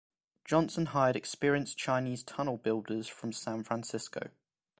Johnson hired experienced Chinese tunnel builders from San Francisco.